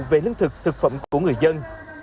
về lương thực thực phẩm của người dân